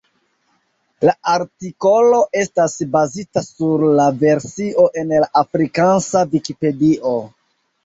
La artikolo estas bazita sur la versio en la afrikansa Vikipedio.